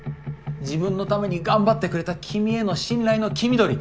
自分のために頑張ってくれた君への「信頼」の黄緑？